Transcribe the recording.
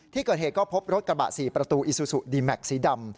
ที่เกิดเหตุก็พบรถกระบะ๔ประตูอิซูซูดีแม็กซ์สีดำ